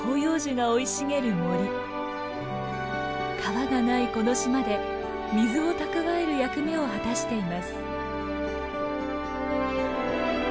川がないこの島で水を蓄える役目を果たしています。